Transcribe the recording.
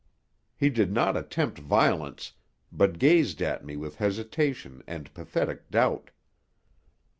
He did not attempt violence, but gazed at me with hesitation and pathetic doubt.